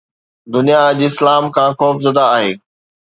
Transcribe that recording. دنيا اڄ اسلام کان خوفزده آهي.